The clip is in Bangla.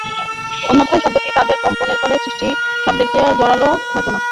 অন্যথায় শব্দটি তারের কম্পনের ফলে সৃষ্ট শব্দের চেয়ে জোরালো হতো না।